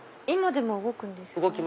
今でも動くんですか？